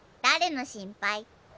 誰の心配？